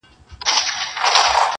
زما په ذهن كي تصوير جوړ كړي_